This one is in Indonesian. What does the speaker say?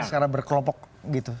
sekarang berkelompok gitu